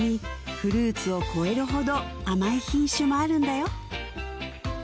フルーツを超えるほど甘い品種もあるんだよ